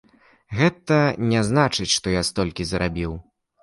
Гэта не значыць, што я столькі зарабіў.